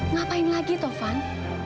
ngapain lagi taufan